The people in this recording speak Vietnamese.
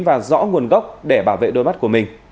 và rõ nguồn gốc để bảo vệ đôi mắt của mình